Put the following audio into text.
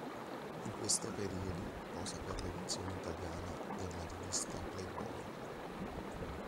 In questo periodo posa per l'edizione italiana della rivista Playboy.